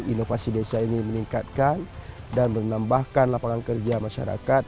inovasi desa ini meningkatkan dan menambahkan lapangan kerja masyarakat